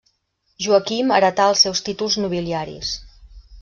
Joaquim heretà els seus títols nobiliaris.